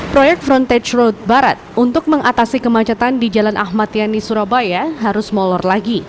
proyek frontage road barat untuk mengatasi kemacetan di jalan ahmad yani surabaya harus molor lagi